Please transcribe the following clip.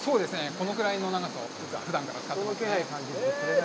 このぐらいの長さをふだんから使っていますね。